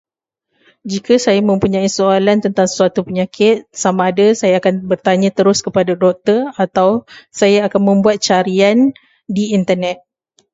Jika saya mempunyai soalan tentang sesuatu penyakit, sama ada saya akan bertanya terus kepada doktor atau saya akan membuat carian di Internet.